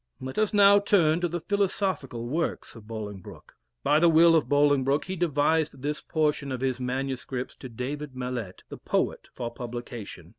Let us now turn to the philosophical works of Bolingbroke. By the will of Bolingbroke he devised this portion of his manuscripts to David Mallet, the poet, for publication.